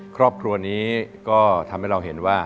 ครอบครัวนี้ก็ทำให้เราเห็นว่า